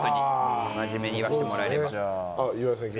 真面目に言わせてもらえれば。